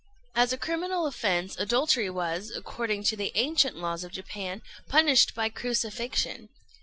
As a criminal offence, adultery was, according to the ancient laws of Japan, punished by crucifixion.